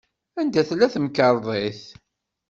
Anda tella temkerḍit?